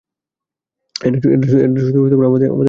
এটা শুধু আমাদেরকে আরও কাছে আনল।